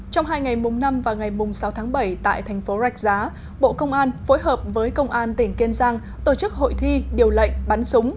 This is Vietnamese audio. trong hai ngày mùng năm và ngày mùng sáu tháng bảy tại thành phố rạch giá bộ công an phối hợp với công an tỉnh kiên giang tổ chức hội thi điều lệnh bắn súng